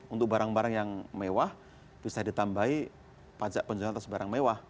untuk barang barang yang mewah bisa ditambahi pajak penjualan atas barang mewah